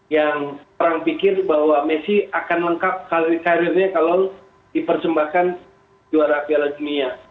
yang orang pikir bahwa messi akan lengkap karirnya kalau dipersembahkan juara piala dunia